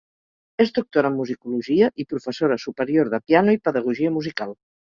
És doctora en musicologia i professora superior de piano i pedagogia musical.